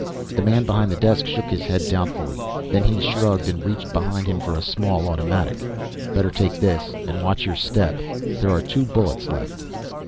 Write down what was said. The man behind the desk shook his head doubtfully. Then he shrugged, and reached behind him for a small automatic. "Better take this and watch your step! There are two bullets left."